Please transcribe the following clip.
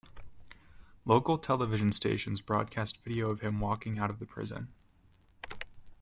Local television stations broadcast video of him walking out of the prison.